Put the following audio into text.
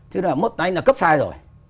chứ là mất anh là cấp sai rồi